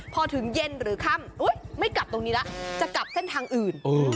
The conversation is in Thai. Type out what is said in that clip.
พอถึงเย็นหรือค่ำไม่กลับตรงนี้แล้วจะกลับเส้นทางอื่น